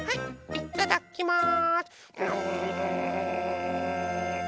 いただきます！